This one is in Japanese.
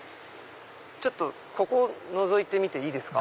ちょっとのぞいていいですか？